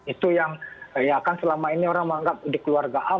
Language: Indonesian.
itu yang selama ini orang menganggap dikeluargaan